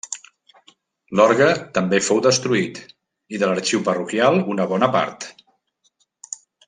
L'orgue també fou destruït i de l'Arxiu Parroquial una bona part.